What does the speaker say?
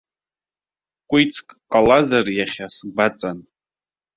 Кәицк ҟалазар иахьа сгәаҵан.